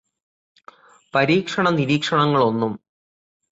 പരീക്ഷണ നിരീക്ഷണങ്ങളൊന്നും